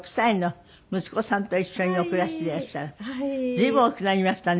随分大きくなりましたね。